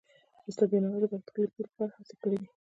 استاد بینوا د پښتو لیکدود لپاره هڅې کړې دي.